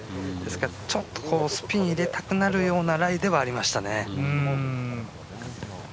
ちょっとスピン入れたくなるようなライではありましたね。